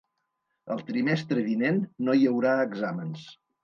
El trimestre vinent no hi haurà exàmens.